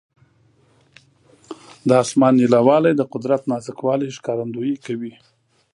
د اسمان نیلاوالی د قدرت نازک والي ښکارندویي کوي.